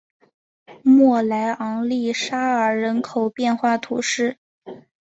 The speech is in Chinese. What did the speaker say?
莫莱昂利沙尔人口变化图示